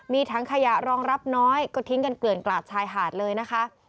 มีถังขยะรองรับน้อยก็ทิ้งกันเกลื่อนกลาดชายหาดเลยนะคะ